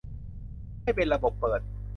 ให้เป็นระบบเปิด